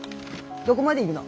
どごまで行くの？